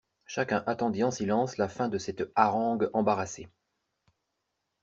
Chacun attendit en silence la fin de cette harangue embarrassée.